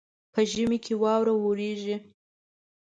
په ژمي کي واوره وريږي.